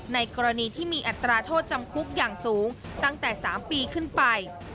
ในกรณีที่มีอัตราโทษจำคุกอย่างสูงตั้งแต่๓ปีขึ้นไป